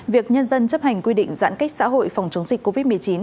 việc nhân dân chấp hành quy định giãn cách xã hội phòng chống dịch covid một mươi chín